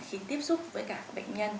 khi tiếp xúc với các bệnh nhân